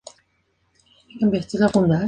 Fue el mayor carnívoro terrestre de su días.